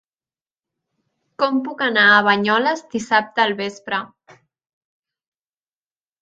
Com puc anar a Banyoles dissabte al vespre?